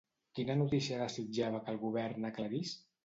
Quina notícia desitjava que el govern aclarís?